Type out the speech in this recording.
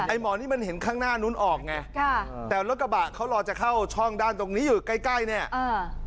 หมอนี่มันเห็นข้างหน้านู้นออกไงค่ะแต่รถกระบะเขารอจะเข้าช่องด้านตรงนี้อยู่ใกล้ใกล้เนี่ยอ่า